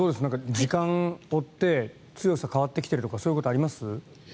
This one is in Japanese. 時間を追って強さが変わってきてるとかそういうことはありますか？